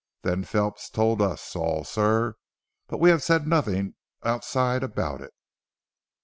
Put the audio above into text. Then Phelps told us all sir, but we have said nothing outside about it."